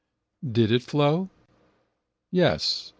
Did it flow? Yes.